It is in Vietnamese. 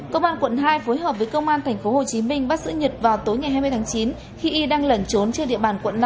cơ quan quận hai phối hợp với cơ quan tp hcm bắt giữ nhật vào tối hai mươi chín khi y đang lẩn trốn trên địa bàn quận năm